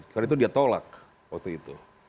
karena itu dia tolak waktu itu